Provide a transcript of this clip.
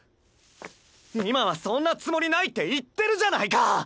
今はそんなつもりないって言ってるじゃないか！